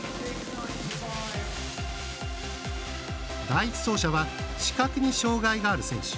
第１走者は視覚に障がいがある選手。